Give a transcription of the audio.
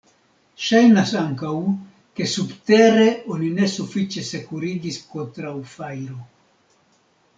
Ŝajnas ankaŭ, ke subtere oni ne sufiĉe sekurigis kontraŭ fajro.